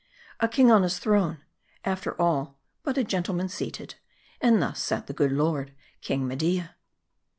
A king on his throne ! After all, but a gentleman seated. And thus sat the good lord, King Media.